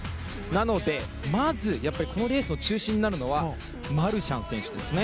なので、まずこのレースの中心になるのはマルシャン選手ですね。